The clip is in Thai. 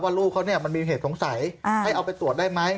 ลูกเขาเนี่ยมันมีเหตุสงสัยให้เอาไปตรวจได้ไหม